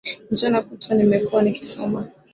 Mchana kutwa nimekuwa nikisoma